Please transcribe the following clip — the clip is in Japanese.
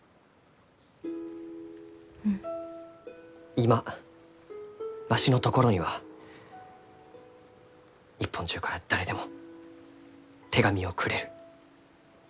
今わしのところには日本中から誰でも手紙をくれる。